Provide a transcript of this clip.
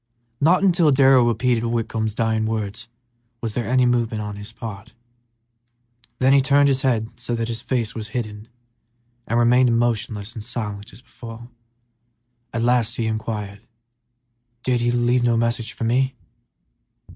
Not until Darrell repeated Whitcomb's dying words was there any movement on his part; then he turned his head so that his face was hidden and remained motionless and silent as before. At last he inquired, "Did he leave no message for me?"